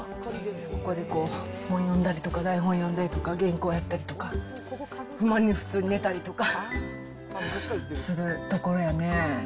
ここでこう、本読んだりとか、台本読んだりとか、原稿読んだりとか、普通に寝たりとかするところやね。